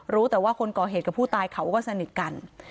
รู้แต่ว่าคนก่อเหตุกับผู้ตายเขาก็สนิทกัน